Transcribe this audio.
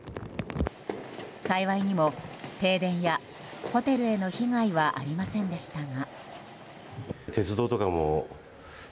幸いにも停電やホテルへの被害はありませんでしたが。